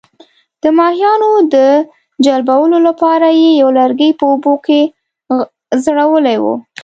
د ماهیانو د جلبولو لپاره یې یو لرګی په اوبو کې ځړولی وو.